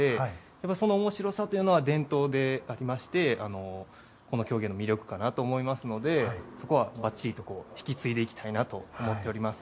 やっぱりそのおもしろさというのは伝統でありましてこの狂言の魅力かなと思いますのでそこは、ばっちりと引き継いでいきたいと思っております。